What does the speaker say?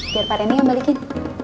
biar pak randy yang balikin